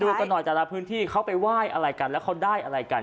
กันหน่อยแต่ละพื้นที่เขาไปไหว้อะไรกันแล้วเขาได้อะไรกัน